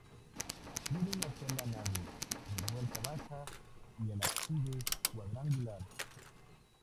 Tiene una sola nave, de vuelta baja, y el ábside cuadrangular.